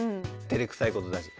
てれくさいことだし。